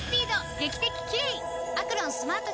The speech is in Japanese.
劇的キレイ！